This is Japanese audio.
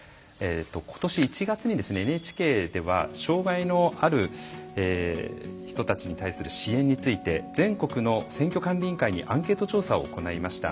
今年１月にＮＨＫでは障害のある人たちに対する支援について全国の選挙管理委員会にアンケート調査を行いました。